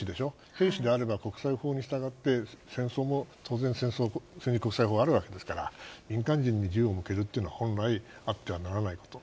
兵士であれば国際法に従って当然、戦争をするんですから民間人に銃を向けるのは本来、あってはならないこと。